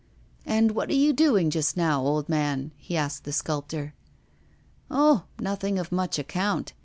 'And what are you doing just now, old man?' he asked the sculptor. 'Oh! nothing of much account.